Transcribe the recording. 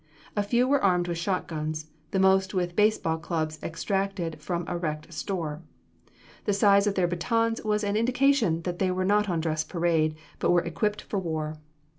A few were armed with shot guns, the most with base ball clubs extracted from a wrecked store. The size of their batons was an indication that they were not on dress parade, but were equipped for war.